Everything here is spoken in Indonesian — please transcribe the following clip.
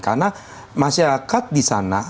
karena masyarakat di sana